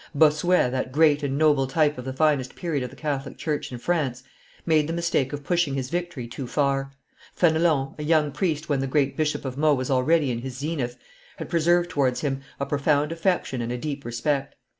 Bossuet, that great and noble type of the finest period of the Catholic church in France, made the mistake of pushing his victory too far. Fenelon, a young priest when the great Bishop of Meaux was already in his zenith, had preserved towards him a profound affection and a deep respect.